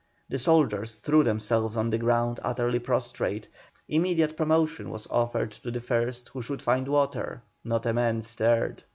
The soldiers threw themselves on the ground utterly prostrate; immediate promotion was offered to the first who should find water; not a man stirred.